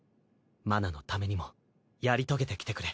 麻奈のためにもやり遂げてきてくれ。